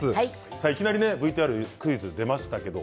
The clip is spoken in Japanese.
いきなりＶＴＲクイズが出ましたけど